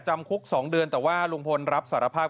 จำคุก๒เดือนแต่ว่าลุงพลรับสารภาพ